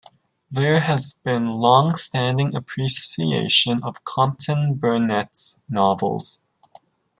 There has been longstanding appreciation of Compton-Burnett's novels.